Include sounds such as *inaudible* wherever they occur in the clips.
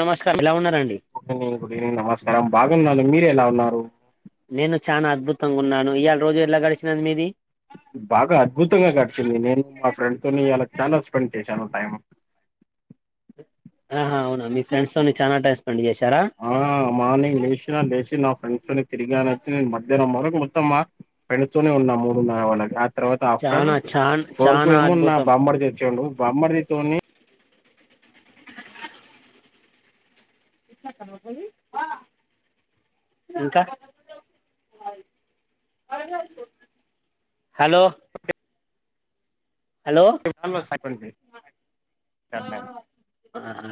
నమస్ good good evening నమస్కారం బాగున్నాను మీరు ఎలా ఉన్నారు? నేను చానా అద్భుతంగా ఉన్నాను ఇయాళ్ రోజు ఎట్లా గడిచినది మీది? బాగా అద్భుతంగా గడిచింది నేను మా ఫ్రెండ్ తోని ఈయాలా చాలా స్పెండ్ చేసాను టైమ్ ఆహ అవునా మీ ఫ్రెండ్స్ తోని చాలా టైం స్పెండ్ చేశారా ఆ మార్నింగ్ లేసినా లేసి నా లోనే తిరిగాన అయితే నేను మధ్యాహ్నం వరకు మొత్తం మా ఫ్రెండ్తోనే ఉన్నా మూడున్నర వలక్ తర్వాత ఆఫ్టర్ చానా చాన్ ఫోర్ కు చానా ఏమో నా అద్భుతం బామర్ది వచ్చిండు బామర్దితోని ఇ *inaudible* అసలు ఇంకా హలో హలో చాలా స్పెండ్ చేశాను నేను.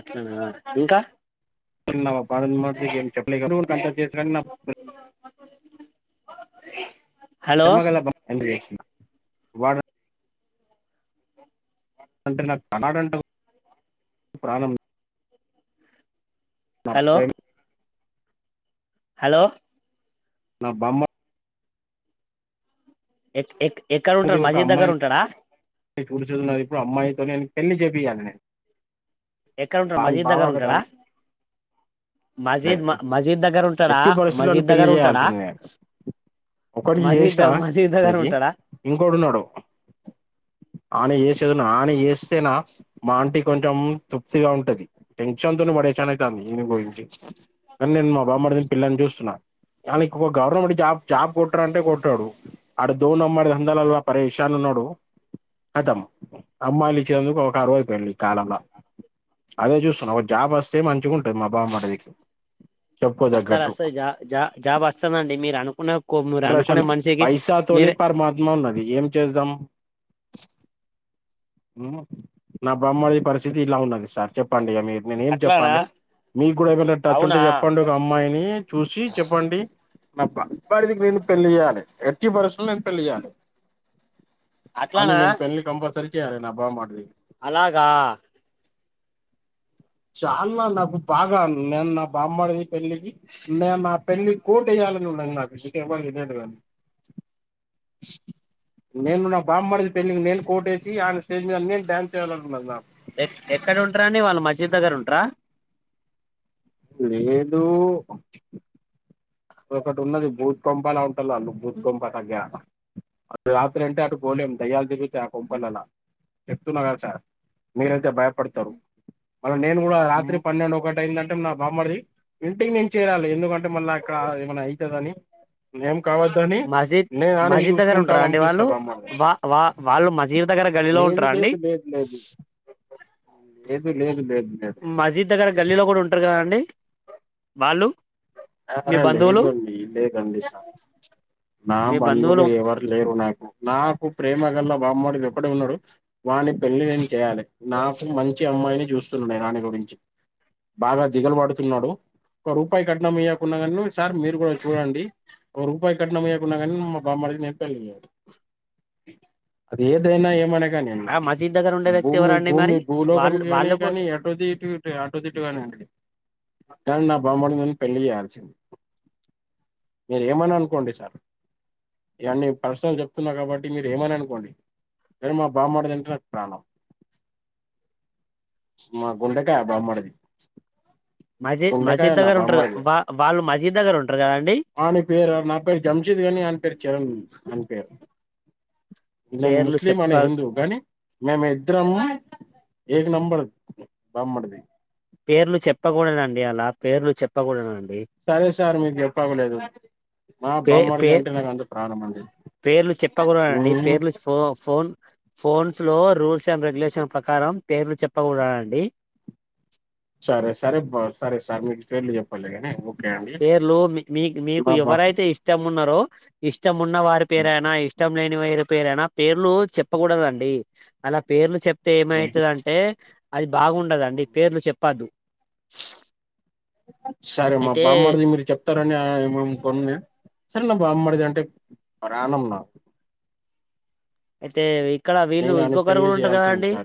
అట్లనా ఇంకా నా బామర్ది కి ఏం చెప్పలే ఇక నువ్వు *unintelligible* హలో ప్రేమ గల బ తండ్రి వాడు అంటే నా కనాడంటవ్ ప్రాణం హలో నప్పేం హలో నా బామ ఎక్ ఎక్ ఎక్కడ ఉంట మసీద్ దగ్గర ఉంటాడా? చూర్చుతున్నది ఇప్పుడు అమ్మాయితో నేను పెళ్ళి చేపియాలి నేను ఎక్కడ ఉంటాడు ఆయన మసీద్ బావ దగ్గర కదా ఉంటాడా? అని లే. మస్జిద్ మ మస్జిద్ దగ్గర ఉంట ఎట్టి పరిస్థితులోను పెళ్లి చేయాల్సిందే ఒకడికి మజీద్ చేసినా మజీద్ దగ్గర ఆనికి ఉంటాడా ఇంకోడున్నాడు ఆ అని చేసేదు ఆని చేస్తేనా మా ఆంటి కొంచెం తృప్తిగా ఉంటది టెన్షన్ తో పరేషాన్ అయితాంది ఈని గురించి కాని నేను మర్ది కి పిల్లన్ చూస్తున్నా. ఆనికో గవర్నమెంట్ జాబ్ జాబ్ కొట్రా అంటే కొట్టాడు ఆడ దోన్ అమ్మడు దందాన్ల పరేశాన్ ఉన్ న్నాడు కతం అమ్మాయిలు ఇచ్చేందుకు కరువైపేంది ఈ కాలంలా అదే చూస్తున్నా ఒక జాబ్ వస్తే మంచిగా ఉంటది మా బామర్ది కి వస్తారు వస్తాది జా జా జాబ్ వస్తదండి మీరు అనుకున్న కో మీరు ప్రశల్ అనుకునే మనిషికి పైసాతోని మీరే పరమాత్మ ఉన్నది ఏం చేద్దాం. మ్ నా బామర్ది పరిస్థితి ఇట్లా ఉన్నది సార్ చెప్పండి ఇక మీర్ నేనేం అట్లానా చెప్పాలే? మీకు కూడా ఏమన్నా టచ్ అవునా ఉంటే చెప్పండి ఒక అమ్మాయిని చూసి చెప్పండి. నా బామర్ది కి నేను పెళ్ళియాలి ఎట్టి పరిస్థితుల్లోనూ పెళ్ళి చెయ్యాలి అట్లానా అందుకు నేన్ పెళ్లి కంపల్సరి చేయ్యాలి నా బామర్ది అలాగా చాలా నాకు బాగా నేను నా బామ్మర్ది పెళ్ళికి నేను నా పెళ్లి కోట్ వేయాలని ఉన్నాను నాకు నేను నా భామర్ది పెళ్లికి నేను కోట్ వేసి ఆయన స్టేజ్ మీద నేను డాన్స్ చేయాలనీ ఉన్నది నాకు ఎ ఎక్కడ ఉంటారూ అండి వాళ్ళు మస్జీద్ దగ్గర ఉంటార లేదు ఒకటి ఉన్నది భూత్ కొంపల బుతు కొంప తగ్గా అ రాత్రి అంటే అటు పోలేం దయ్యలు ది ఆ కోంపలలా చెప్తున్న కదా సార్ మీరైతే భయపడతారు మళ్ళ నేను కూడా రాత్రి పన్నెండు ఒకట అయిందంటె నా భామర్ది ఇంటికి నేను చేరాలి ఎందుకంటే మళ్ళీ అక్కడ ఏమైన్నా అవుతుందని నే కావదని మసీద్ నేను వానికి మసీద్ దగ్గర చూసుకుంట ఉంటారా అండి పంపిస్తా వాళ్ళు బామ్మర్ది వా వా వాళ్ళు మసీద్ దగ్గర గల్లీలో ఏది ఉంటారా అండి లేదు లేదు లేదు ఏదు లేదు లేదు లేదు మజీద్ దగ్గర గల్లీలో కూడా ఉంటారు కదా అండి వాళ్ళు మీ ఆ బంధువులు లేదుండి లేదంటే నిస్సా నా బంధువులు ఎవరు లేరు నాకు నాకు ప్రేమ గల్ల బామ్మర్ది ఒక్కడే ఉన్నాడు వాని పెళ్లి నేను చేయాలే నాకు మంచి అమ్మాయిని చూస్తున్న నేను వానికి బాగా దిగలు పడుతున్నాడు ఒక రూపాయి కట్నం ఇయ్యా కున్నా గాన్ సార్ మీరు కూడా చూడండి. ఒ రూపాయ కట్నమియాకున్నా కాని మా బామ్మర్దికి నే పెళ్లి చేయాలే అది ఏదైనా ఏమైనా ఆ కానీయండి మసీద్ దగ్గర ఉండే వ్యక్తి భూమి ఎవరండి భూమి మరి వాళ్ళు భూలోకంకి కాని వాళ్ళకు కానీ ఎటోదిటు అటోది ఇటు కానీయండి కాని నా బామ్మర్ది కి నేను పెళ్లి చేయాలి మీరేమన్న అనుకోండి సార్ ఇవన్నీ పర్సనల్ చెప్తున్నా కాబట్టి మీరు ఏమని అనుకోండి ఏ ఏమో మా బామ్మర్దిదంట నాకు ప్రాణం మా గుండకాయా బామర్ది మసీద్ మసీద్ గుండేకాయనా దగ్గర ఉంటారు బామరిది వా వాళ్ళు మసీద్ దగ్గర ఉంటారు కదండి ఆని పేరు నా పేరు జమ్షిద్ కాని అనీ పేరు చిరణ్ అని పేరు నేను పేర్లు ముస్లిం చెప్ప ఆయన హిందూ కానీ మేము ఇద్దరం ఏ నంబర్ బామ్మర్ది పేర్లు చెప్పకూడదండి అలా పేర్లు చెప్పకూడదు సరే సార్ మీకు చెప్పవలేదు మా పే పే బామ్మర్ది అంటే నాకు అంత ప్రాణం అని పేర్లు చెప్పకూడదండి పేర్లు ఫో ఫోన్ ఫోన్స్ లో రూల్స్ రూల్స్ అండ్ రెగ్యులేషన్ ప్రకారం పేర్లు చెప్పకూడండి సరే సరే సరే సార్ మీకు పేర్లు చెప్పల్లేగానే పేర్లు మీ మీ మీకు ఎవరైతే ఇష్టం ఉన్నారో ఇష్టం ఉన్న వారి పేరైనా ఇష్టం లేని ఇష్టమైన పేరునా పేర్లు చెప్పకూడద అండి అలా పేర్లు చె అది ఏమవుతుందింటే అది బాగుండదండి పేర్లు చెప్పద్దు సరే మా అయితే బామ్మర్దికి మీరు చెప్తారని ఏమే కొను సరే నా బామరీది అంటే ప్రాణం నాకు అయితే ఇక్కడ వీళ్ళు నేను అని ఇంకొకరు పెళ్లి కూడా ఉంటారు కదా చేయాల్సింది అండి సార్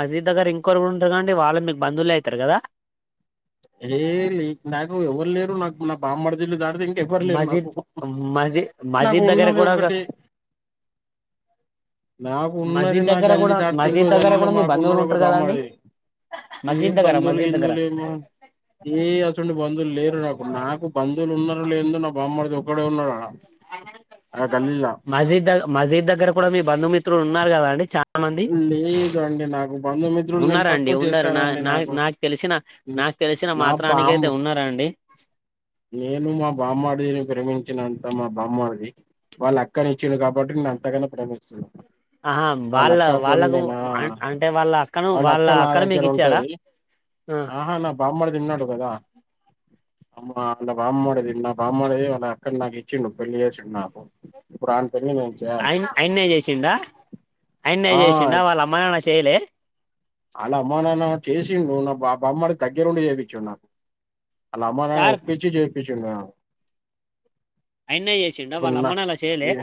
మస్జిద్ దగ్గర కొరు కూడా ఉంటారు కదండి వాళ్ళు మీకు బంధవులు అవుతారు కదా ఏ నాకు ఎవరు లేరు నాకు నా బామ్మర్ది లు దా ఇంకెవ్వరు లేరు నాకు మస్జిద్ మస్జిద్ నాకు మస్జిద్ దగ్గర ఉన్నది కూడా ఒకటి నాకు ఉన్నది మస్జిద్ నా దగ్గర గల్లీ కూడా దాటితే ఇంకో మస్జిద్ దగ్గర గల్లిలో కూడా మీ మాకు బంధువులు ఉన్నాడు ఒక ఉంటారు కదండి బామ్మరీది ఏ మస్జిద్ దగ్గర బందువులు మస్జిద్ దగ్గర గిందులు ఏమో ఏ అసోంటి బంధువులు లేరు నాకు నాకు బంధువులు ఉన్నారు లేదో నా బామ్మరిది ఒక్కడే ఉన్నాడు ఆడు మసీద్ మసిద్ దగ్గర కూడా మీ బంధుమిత్రులు ఉన్నారు కదా అండి. చాలమంది లేదు అండి నాకు బంధుమిత్రులు నేను ఉన్నారు అండీ తక్కువ ఉన్నారు నా చేస్తానండి నా నాకు తెలిసిన నా నాకు తెలిసిన నా మాత్రానికి బామ్మ అయితే ఉన్నారండి నేను మా బామ్మరిది ని ప్రేమించినంత మా బామ్మరీది వాళ్ళ అక్కని ఇచ్చిండు కాబట్టి నిన్ను అంతగాన ప్రేమిస్తుండు ఆహా వాళ్ళ వాళ్ళకు అక్కతోండినా అంటే వాళ్ళ అక్కను వాళ్ళ అక్క నా అక్కను దగ్గర మీకు ఇచ్చాడా ఉంటది ఆహా నా బామ్మర్ది ఉన్నాడు కదా అమ్మా ఆల్ల బామ్మర్ది నా బామ్మర్ది వాళ్ళ అక్కని నాకు ఇచ్చిండు పెళ్ళి చేసిండు నాకు ఇప్పుడు ఆని పెళ్ళి నేను చెయ్యాలి అయి అయన్నే చేసిండా అయన్నే ఆ చేసిండా వాళ్ళ అమ్మ నాన్న చేయలే ఆల్ల అమ్మా నాన్న చేసిండ్రు నా బా బామ్మర్ది దగ్గరుండి చేపిచ్చిండు నాకు ఆల్ల అమ్మ నాన్నని సార్ ఒప్పిచ్చి జేపిచ్చిండు నాకు ఆయిన్నే చేసిండ ఇప్పుడు వాళ్ళ నా అమ్మ నాన్న చేయలే ఏ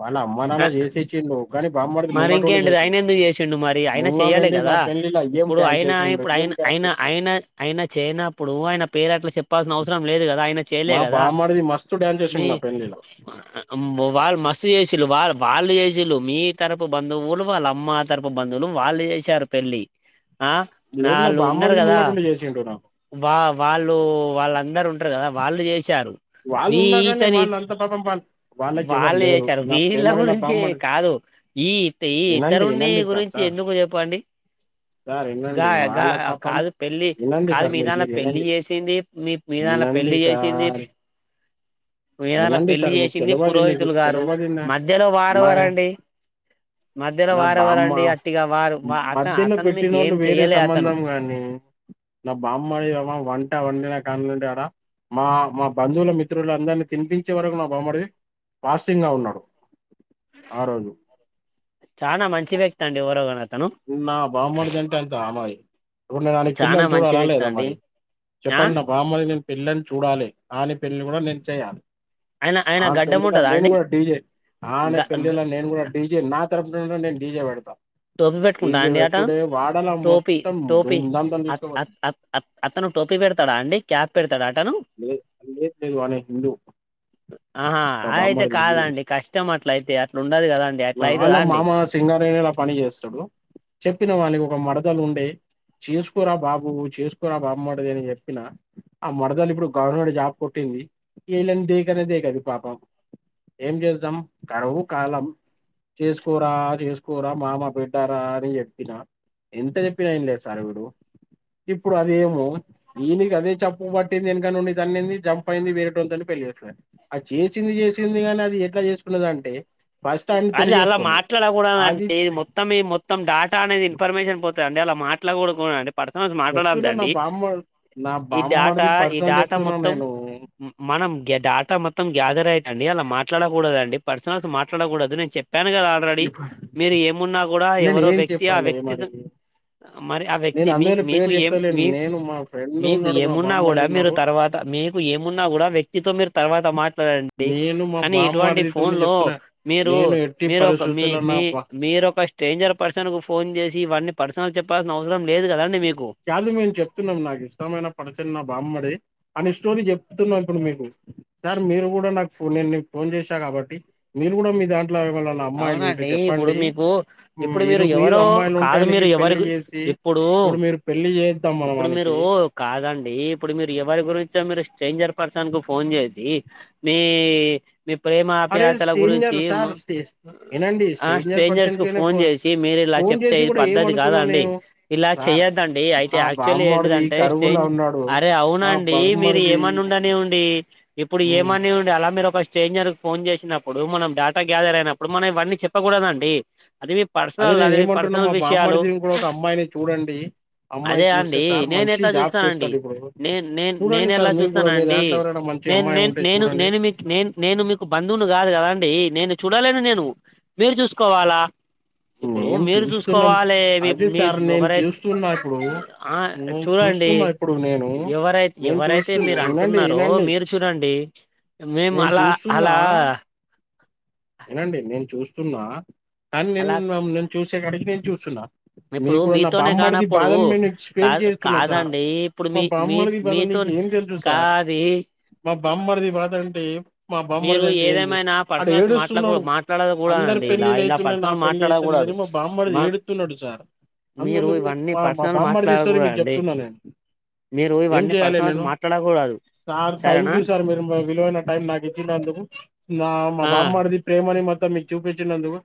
వాళ్ళ అమ్మ నాన్న చేసిచ్చిండు. కానీ బామ్మడిది మరి ముంగటుండి ఇంకేంటిది ఆయన చేసిండు. ఎందుకు చేసిండు మరి ఆయన ముంగటుండి చెయ్యాలెగా నా ఆ పెళ్లిలా ఏం ఇప్పుడు డాన్స్ అయిన చేసిండు, ఇప్పుడు ఏం డాన్స్ ఆయిన చేసిండు. ఆయిన ఆయిన చేయనప్పుడు ఆయన పేరు ఎట్లా చెప్ చెప్పాల్సిన అవసరం లేదు కదా ఆయన చేయలే మా కదా బామ్మడిది మస్తు డాన్స్ మీ చేసిండు నా పెళ్లిలా. మ వాళ్ళు మస్తు చేసిల్లు వాళ్ళు బా చేసిల్లు మీ తరపు బంధువులు వాళ్ళ అమ్మ తరపు బంధువులు వాళ్ళు చేసారు పెళ్ళి ఆ లేదు నా నాళ్ళు ఉన్నారు బామ్మడిది గదా ముంగటుండి చేసిండు నాకు. వా వాళ్ళు వాళ్ళన్ ఉంటారు కదా వాళ్ళు చేశారు వాళ్ళు ఈ ఉన్నా కానీ ఇతని వాళ్ళంత పాపం పా వాళ్ళకి ఎవరు వాళ్ళు లేరు చేశారు నా వీల్ల ప్రేమ గల గురించి బామ్మడు కాదు ఈ ఈత వినండి ఇతరుని వినండి సార్ గురించి సార్ ఎందుకు చెప్పండి సార్ గా వినండి గా వాళ్ళ పాపం కాదు పెళ్లి వినండి కాదు సార్ మీరు మీదన్న మీరు పెళ్లి వినండి చేసింది మీ మీద ల్లా వినండి పెళ్లి చేసింది సార్ మీ *inaudible* దాంట్ల వినండి పెళ్లి సార్ మీకు చేసింది తెలువది మీకు పురోహితులు గారు తెలువదు నా మధ్యలో మాయ వారెవరండి మధ్యలో నా బామ్మ వారెవరండి అట్టిగా వారు వా- అత మధ్యన అతను మీకు ఏం పెట్టినోళ్ళు వేరే చెయ్యలే అతను సంబంధం గానీ నా బామ్మర్ది వంట వండిన కన్లు ఉంట ఆడ బంధువుల మిత్రులు అందరినీ తినిపించే వరకు నా బామ్మర్ది ఫాస్టింగ్ లా ఉన్నాడు ఆ రోజు చానా మంచి వ్యక్తి అండి ఎవరో గాని అతన్ ఉన్నా బామ్మర్ది అంటే అంత అ మరి ఇప్పుడు నేను ఆనికి చానా పిల్లని మంచి చూడాలా వ్యక్తి లేదా అండి మరి ఆ చెప్పండి నా బామ్మర్దిని నేను పిల్లని చూడాలే ఆని పెళ్లిని కూడా నేను చేయాలి అయినా ఆన్ పెళ్ళిలా నేను కూడా డీజే గ ఆని గ పెళ్ళిలా నేను కూడా డీజే నా తరపున నుండి నేను డీజే పెడతా టోపీ పెట్టుకుంటా డీజే అండి అతను పెట్టుడే వాడల మొత్తం దుం ధామ్ తో అత్ తీసుకుపోతా అత్ అత్ అత్ అతను టోపీ పెడతడా అండి క్యాప్ పెడతడా అతను లేదు లే లేదు వానీ హిందూ ఆహా నా అ అయితే బామ్మడిది కాదండి కష్టం అట్ల అయితే అట్ల ఉండదు కదండి అట్లా ఆ ఆల్ల అయితదా అండి మామ సింగరేణిలా పని చేస్తాడు చెప్పిన వానికి ఒక మరదలు ఉండే చేసుకోరా బాబు చేసుకోరా బామ్మర్ది అని చెప్పినా ఆ మరదలు ఇప్పుడు గవర్నమెంట్ జాబ్ కొట్టి ఇది ఈళ్ళని దేకనే దేకదు పాపం ఏం చేస్దాం కరువు కాలం చేసుకోరా చేసుకోరా మామ బిడ్డరా అని చెప్పిన ఎంత చెప్పినా ఇనలే సార్ వీడు ఇప్పుడు అదేమో ఈన్ని అదే చెప్పు పట్టింది ఎనక నుండి తన్నింది జంప్ అయింది వేరేటోంతని పెళ్ళి ఇగ అట్ల అది చేసింది చేసింది గాని అది ఎట్లా చేసుకున్నదంటే ఫస్ట్ ఆయనతోని అది అలా చేసుకోలే అది మాట్లాడకూడదండి ఇది మొత్తం ఈ మొత్తం డేటా అనేది ఇన్ఫర్మేషన్ పోతది అండి అలా మాట్లాకూడకు అంటే పర్సనల్స్ చెప్తున్నా నా మాట్లాడొద్దండీ బామ్మ నా ఈ డాటా బామ్మడిది ఈ పర్సనల్ డేటా చెప్తున్నా మొత్తం నేను మ్ మా మనం డాటా మొత్తం గ్యాదర్ అయిద్దండి అలా మాట్లాడకూడదండి పర్సనల్స్ మాట్లాడకూడదు నేన్ చెప్ పాను కదా ఆల్రెడీ ఇప్పుడు మీరు ఏమున్నా కూడా నేను ఎవరో ఏం వ్యక్తి ఆ చెప్పాలి వ్యక్తి మరి మరి ఆ నేను వ్యక్తి మీకు అందువల్ల మీకు పేరు ఏం చెప్తలేను మీకు నేను మా ఫ్రెండ్ మీకు ఉన్నాడు మా ఏమున్నా కూడా బామ్మడిది ఉన్నాడు మీరు తర్వాత మీకు ఏమున్నా కూడా వ్యక్తితో మీరు తర్వాత మాట్లాడండి నేను మా కానీ ఇటువంటి ఫోన్ బామ్మడిదితోని లో చెప్తున్నా మీరు నేను ఎట్టి మీరు మీ పరిస్థితుల నా మీ బ మీరు ఒక స్ట్రేంజర్ పర్సన్ కు ఫోన్ చేసి ఇవ్వన్నీ పర్సనల్ చెప్ పాల్సిన అవసరం లేదు కదండి మీకు కాదు మేము చెప్తున్నాం నాకు ఇష్టమైన పడ చిన్న బామ్మడి అని స్టోరీ చెప్తున్నా ఇప్పుడు మీకు సార్ మీరు కూడా నాకు ఫో నేను ఫోన్ చేసా కాబట్టి మీరు కూడా మీద ఇట్లా ఎవలన్న అమ్మాయిలు ఉంటే అవునండి ఇప్పుడు చెప్పండి మీకు ఇప్పుడు మీరు మీరు ఎవరో అమ్మాయిలు కాదు ఉండటానికి మీరు ఎవరి పెళ్లి గు చేసి ఇప్పుడు మీరు పెళ్లి చేద్దాం మన ఇప్పుడు మీరు వానికి కాదండి ఇప్పుడు మీరు ఎవరి గురించో మీరు స్ట్రాంజర్ పర్సన్ కు ఫోన్ చేసి మీ మీ ప్రేమ అరే ఆప్యాయతల స్టేంజర్ గురించి సార్ స్టే వినండి ఆ స్టేంజర్ స్ట్రేంజర్స్ పర్సన్ కు కే ఫోన్ చేసి మీరు ఇలా ఫోన్ చెప్తే చేసి ఇది కూడా పద్ద్దతి కాదా ఏమడుగుతున్నా అండి నేను ఇలా చె సార్ చెయద్దండి అయితే మా యాక్చువల్లీ బామ్మడిది ఏంటిదంటే కరువులో స్టేంజ్ ఉన్నాడు అరే అవును మా అండి మీరు బర్మడిది ఏమన్నా ఉండని ఇప్పుడు ఉమ్ ఏమని ఉండి అలాంటి మీరు ఒక స్ట్రేంజర్ ఫోన్ చేసినప్పుడు మనం డేటా గ్యాదర్ అయినప్పుడు మనం ఇవన్నీ చెప్పకూడదండి అది మీ అదే పర్సనల్ నేను అది మీ ఏమంటున్నా పర్సనల్ మా విషయాలు బామ్మడిది కూడా ఒక అమ్మాయిని చూడండి అమ్మాయి అదే చూస్తే అండి సార్ నేను మంచి ఎట్లా జాబ్ చూస్తానండి చేస్తాడు ఇప్పుడు నే నే చూడండి నేను ఎలా సార్ మీకు కూడా మీ చూస్తానండి దాంట్లో ఎవరైనా మంచి నేను అమ్మాయి నే ఉంటే నేను చూడండి నేను మీ నేను నేను మీకు బంధువును కాదు కదండి నేను చూడలేను నేను మీరు చూసుకోవాలా ఇప్పుడు మేం మీరు చూస్తున్నాం చూసుకోవాలి మీ అదే మీ సార్ నేను ఒకరై చూస్తున్నా ఇప్పుడు ఆ నేను చూడ డడి చూస్తున్నా ఇప్పుడు నేను ఎవరై నేను ఎవరైతే చూస్తున్నా మీరు వినండి అంటున్నారో వినండి మీరు చూడండి మేము నేను అలా అలా ఇనండి నేను చూస్తున్నా కానీ నేను అలా నేను చూసే కాడికి నేను చూస్తున్నా మీ ఇప్పుడు కూడా నా మీతోనే బామ్మడిది కానప్పుడు బాధని మీకు సేర్ కాదు చేస్తున్నా సార్ కాదండి ఇప్పుడు మా మీ మీ బామడిది బాధ మీతో ఏం తెలుసు సార్ కాది మా బామ్మరిది బాద వింటే మా మీరు బొమ్మరిది అంటే ఏంది ఏదేమైనా అడు పర్సనల్స్ ఏడు న్నాడు మాట్లాడ అందరు మాట్లాడకూడదండి ఇలా పెళ్ళిళ్ళ ఇలా అయితున్నా నా పర్సనల్ పెళ్లి అయితలేదని మాట్లాడకూడదు మా బామ్మదీదీ మా ఏడుతున్నాడు సార్ మీరు అందులో ఇవన్నీ మా పర్సనల్ బామరిడి స్టోరీ మీకు మాట్లాడకూడదండి చెప్తున్నా నేను మీరు ఏం ఇవన్నీ చేయాలి పర్సనల్స్ నేను మాట్లాడకూడదు సార్ థ్యాంక్ సరేనా యూ సార్ మీరు విలువైన టైం నాకు నందుకు నా మా ఆ బమ్మరిది ప్రేమను మోత్తం మీకు చూపించినందుకు